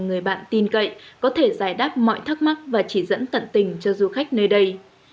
người bạn tin cậy có thể giải đáp mọi thắc mắc và chỉ dẫn tận tình cho du khách nơi đây